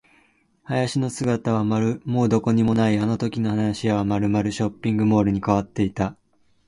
林の姿はもうどこにもない。あのときの林はまるまるショッピングモールに変わっていた。